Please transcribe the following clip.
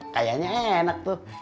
kayaknya enak tuh